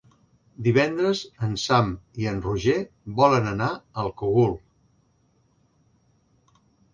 Divendres en Sam i en Roger volen anar al Cogul.